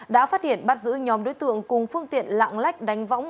đã phát hiện bắt giữ nhóm đối tượng cùng phương tiện lạng lách đánh võng